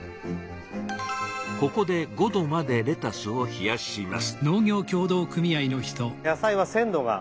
ここで５℃までレタスを冷やします。